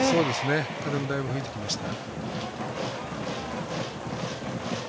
風もだいぶ吹いてきました。